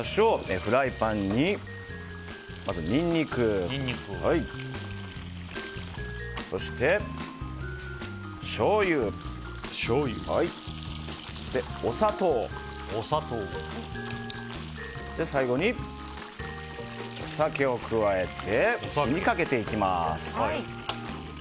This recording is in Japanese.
フライパンにニンニクそして、しょうゆお砂糖最後にお酒を加えて火にかけていきます。